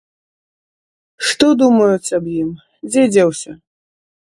Што думаюць аб ім, дзе дзеўся?